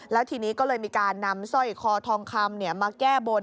แล้วทีนี้ก็เลยมีการนำสร้อยคอทองคำมาแก้บน